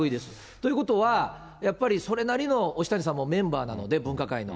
ということは、やっぱりそれなりの押谷さんもメンバーなので、分科会の。